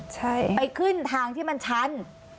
ใช่ไปขึ้นทางที่มันชัน